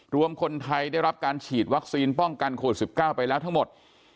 รวมคนไทยได้รับการฉีดวัคซีนป้องกันโควิด๑๙ไปแล้วทั้งหมด